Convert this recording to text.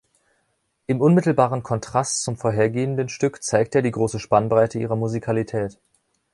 Im unmittelbaren Kontrast zum vorhergehenden Stück zeigt er die große Spannbreite ihrer Musikalität.